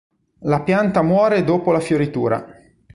La pianta muore dopo la fioritura.